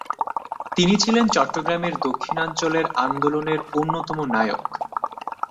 তিনি ছিলেন চট্টগ্রামের দক্ষিণাঞ্চলের আন্দোলনের অন্যতম নায়ক।